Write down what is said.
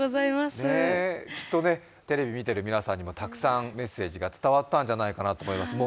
きっとね、テレビ見てる皆さんにもたくさんメッセージが伝わったんじゃないかと思います。